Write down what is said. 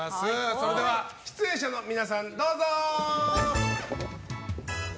それでは出演者の皆さんどうぞ！